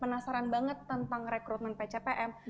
penasaran banget tentang rekrutmen pcpm